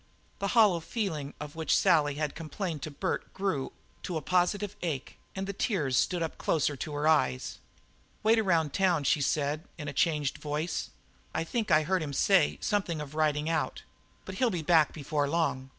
The hollow feeling of which Sally had complained to Bert grew to a positive ache, and the tears stood up closer to her eyes. "Wait around town," she said in a changed voice. "I think I heard him say something of riding out, but he'll be back before long.